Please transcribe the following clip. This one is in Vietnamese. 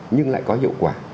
nhưng lại có hiệu quả